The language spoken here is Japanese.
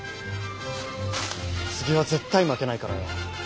次は絶対負けないからよ。